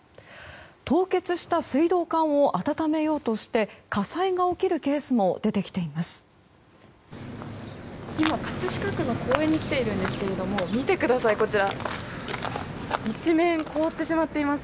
凍結した水道管を温めようとして火災が起きるケースも出てきています。